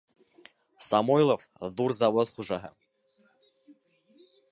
Самойлов — ҙур завод хужаһы.